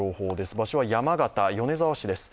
場所は山形・米沢市です。